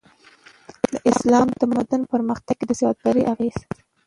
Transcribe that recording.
د اسلامي تمدن په پرمختګ کی د سوداګری اغیز